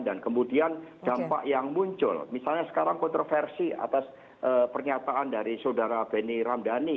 dan kemudian dampak yang muncul misalnya sekarang kontroversi atas pernyataan dari saudara benny ramdhani